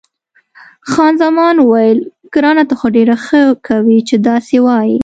خان زمان وویل، ګرانه ته ډېره ښه کوې چې داسې وایې.